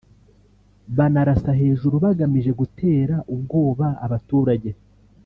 banarasa hejuru bagamije gutera ubwoba abaturage